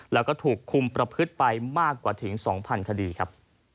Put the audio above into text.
แล้วก็ถูกคุมประพฤติไปมากกว่าถึง๒๐๐คดีครับ